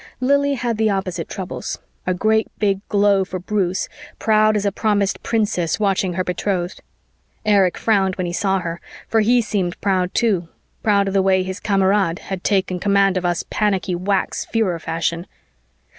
Lili had the opposite of troubles, a great big glow for Bruce, proud as a promised princess watching her betrothed. Erich frowned when he saw her, for he seemed proud too, proud of the way his Kamerad had taken command of us panicky whacks Führer fashion.